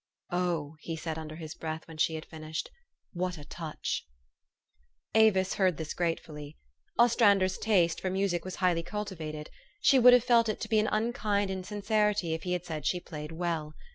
" Oh," he said under his breath when she had fin ished, " what a touch !" Avis heard this gratefully. Ostrander's taste for music was highly cultivated : she would have felt it to be an unkind insincerity if he had said she played well.